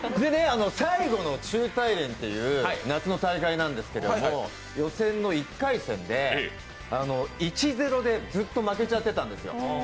最後の中体連っていう夏の大会なんですけど予選の１回戦で、１−０でずっと負けちゃってたんですよ。